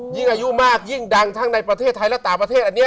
ยิ่งอายุมากยิ่งดังทั้งในประเทศไทยและต่างประเทศอันนี้